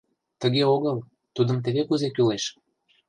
Тыге огыл, тудым теве кузе кӱлеш.